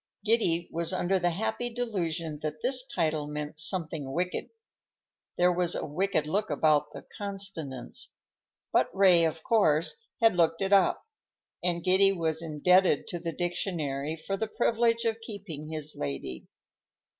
Giddy was under the happy delusion that this title meant something wicked,—there was a wicked look about the consonants,—but Ray, of course, had looked it up, and Giddy was indebted to the dictionary for the privilege of keeping his lady.